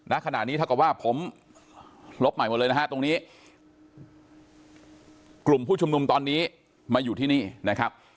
ณขณะนี้เท่ากับว่าผมลบใหม่หมดเลยนะฮะตรงนี้กลุ่มผู้ชุมนุมตอนนี้มาอยู่ที่นี่นะครับ